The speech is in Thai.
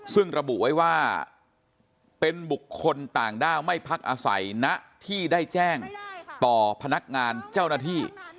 ซึ่งระบุไว้ว่าเป็นบุคคลต่างด้าวไม่พักอาศัยณที่ได้แจ้งต่อพนักงานเจ้าหน้าที่